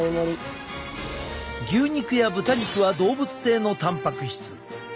牛肉や豚肉は動物性のたんぱく質。